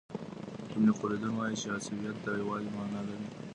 ابن خلدون وايي چي عصبیت د یووالي معنی لري.